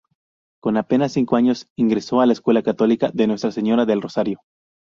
Con apenas cinco años ingresó en la Escuela Católica de Nuestra Señora del Rosario.